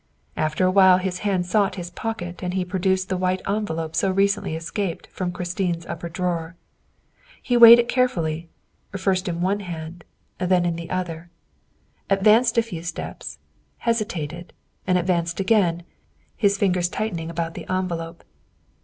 After a while his hand sought his pocket and he produced the white envelope so recently escaped from Christine's upper drawer. He weighed it care fully, first in one hand, then in the other, advanced a 214 THE WIFE OF few steps, hesitated, and advanced again, his fingers tightening about the envelope.